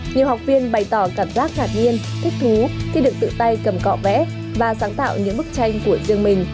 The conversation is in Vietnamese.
nhiều học viên bày tỏ cảm giác ngạc nhiên thích thú khi được tự tay cầm cọ vẽ và sáng tạo những bức tranh của riêng mình